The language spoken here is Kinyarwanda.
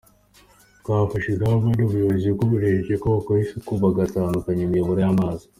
Twafashe ingamba nk’Ubuyobozi bw’umurenge ko bakora isuku, bagatunganya imiyoboro y’amazi.